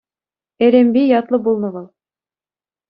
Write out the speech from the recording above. Элемпи ятлӑ пулнӑ вӑл.